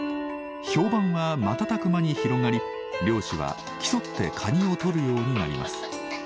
評判は瞬く間に広がり漁師は競ってカニを取るようになります。